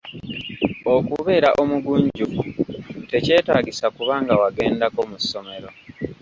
Okubeera omugunjufu tekyetaagisa kuba nga wagendako mu ssomero.